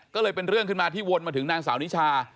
ก็เลยเป็นเรื่องขึ้นมาที่วนมาถึงนางสาวนิชา